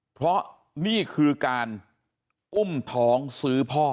เพราะนี่คือการอุ้มท้องซื้อพ่อ